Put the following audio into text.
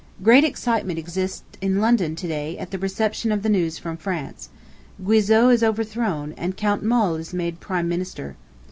Great excitement exists in London to day at the reception of the news from France. Guizot is overthrown, and Count Molé is made Prime Minister.